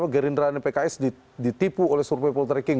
gerindra dan pks ditipu oleh survei poltreking